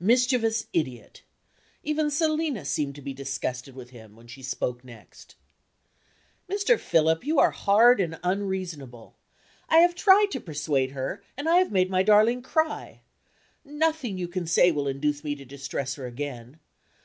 Mischievous idiot! Even Selina seemed to be disgusted with him, when she spoke next.) "Mr. Philip, you are hard and unreasonable. I have tried to persuade her, and I have made my darling cry. Nothing you can say will induce me to distress her again.